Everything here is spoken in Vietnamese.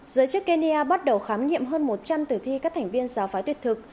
giới chức kenya bắt đầu khám nghiệm hơn một trăm linh tử thi các thành viên giáo phái tuyệt thực